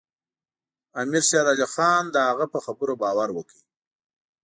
امیر شېر علي خان د هغه په خبرو باور وکړ.